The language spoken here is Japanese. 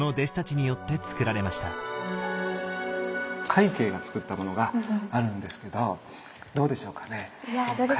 快慶がつくったものがあるんですけどどうでしょうかね？